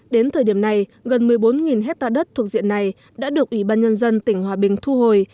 đến thời điểm này gần một mươi bốn hectare đất thuộc diện này đã được ủy ban nhân dân tỉnh hòa bình thu hồi